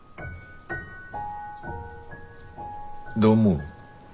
どう思う？